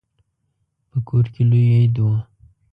په کور کې لوی عید و.